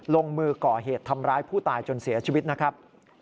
ลงมือก่อเหตุทำร้ายผู้ตายจนเสียชีวิตนะครับ